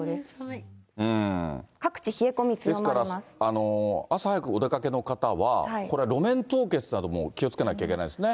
ですから、朝早くお出かけの方は、これは路面凍結なども気をつけなきゃいけないですね。